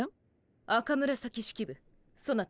赤紫式部そなた